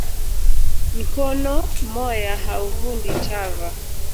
Nkono mmoya hauvundi tava